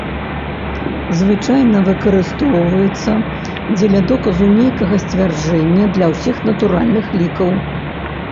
Звычайна выкарыстоўваецца, дзеля доказу нейкага сцвярджэння для ўсіх натуральных лікаў.